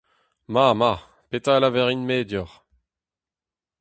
Ma ! ma ! petra a lavarin-me deoc'h,